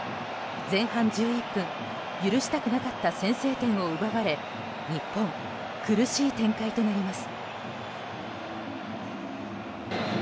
前半１１分許したくなかった先制点を奪われ日本、苦しい展開となります。